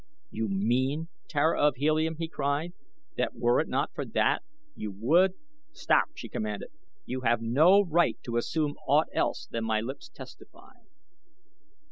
"You mean, Tara of Helium," he cried, "that were it not for that you would " "Stop!" she commanded. "You have no right to assume aught else than my lips testify."